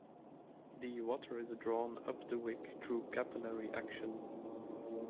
The water is drawn up the wick through capillary action.